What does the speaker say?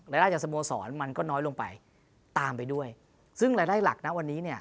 รายได้จากสโมสรมันก็น้อยลงไปตามไปด้วยซึ่งรายได้หลักนะวันนี้เนี่ย